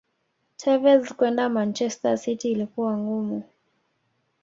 Tevez kwenda manchester city ilikuwa ngumu